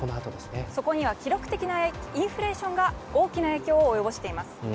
そこには記録的なインフレーションが大きな影響を及ぼしています。